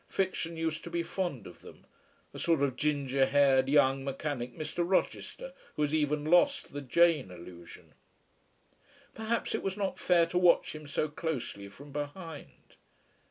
Fiction used to be fond of them: a sort of ginger haired, young, mechanic Mr. Rochester who has even lost the Jane illusion. Perhaps it was not fair to watch him so closely from behind.